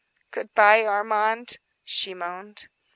"Good by, Armand," she moaned.